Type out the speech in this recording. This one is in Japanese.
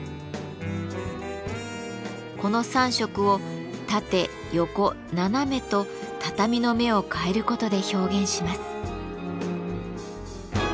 この３色を縦横斜めと畳の目を変えることで表現します。